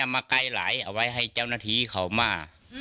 มาไกลไหลเอาไว้ให้เจ้าหน้าที่เขามา